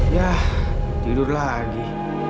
yah tidur lagi